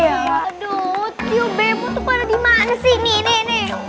aduh tio bemo tuh pada dimana sih ini nih